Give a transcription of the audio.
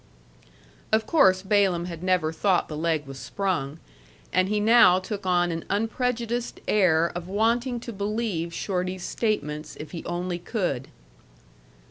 Of course Balaam had never thought the leg was sprung, and he now took on an unprejudiced air of wanting to believe Shorty's statements if he only could.